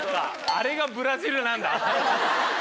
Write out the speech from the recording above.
あれがブラジルなんだ。